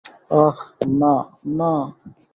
আঃ, না, না।